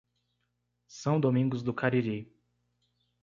São Domingos do Cariri